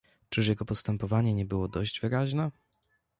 "Czyż jego postępowanie nie było dość wyraźne?"